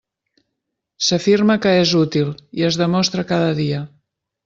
S'afirma que és útil, i es demostra cada dia.